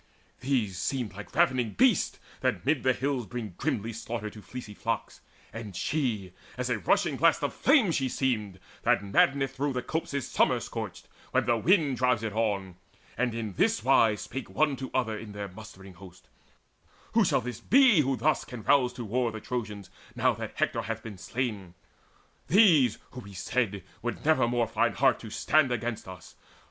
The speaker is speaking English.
These seemed like ravening beasts that mid the hills Bring grimly slaughter to the fleecy flocks; And she, as a rushing blast of flame she seemed That maddeneth through the copses summer scorched, When the wind drives it on; and in this wise Spake one to other in their mustering host: "Who shall this be who thus can rouse to war The Trojans, now that Hector hath been slain These who, we said, would never more find heart To stand against us?